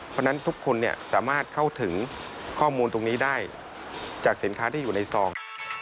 เพราะฉะนั้นทุกคนสามารถเข้าถึงข้อมูลตรงนี้ได้จากสินค้าที่อยู่ในซอง